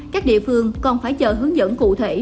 các địa phương còn phải chờ hướng dẫn cụ thể